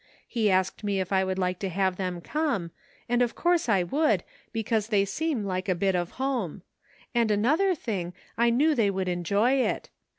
He asked me if I would like to have them come, and of course I would, because they seem like a bit of home ; and another thing I knew they would enjoy it.